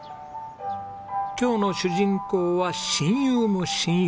今日の主人公は親友も親友！